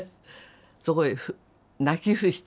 そこへ泣き伏して。